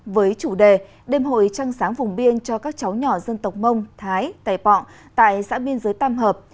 với chủ đề đêm hội trăng sáng vùng biên cho các cháu nhỏ dân tộc mông thái tài pọng tại xã biên giới tam hợp